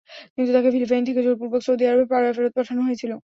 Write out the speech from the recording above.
কিন্তু তাকে ফিলিপাইন থেকে জোরপূর্বক সৌদি আরবে ফেরত পাঠানো হয়েছিল।